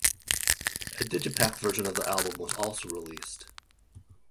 A digipak version of the album was also released.